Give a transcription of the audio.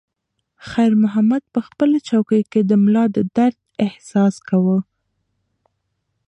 خیر محمد په خپله چوکۍ کې د ملا د درد احساس کاوه.